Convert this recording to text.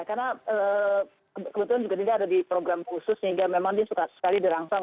karena kebetulan juga dinda ada di program khusus sehingga memang dinda suka sekali dirangsang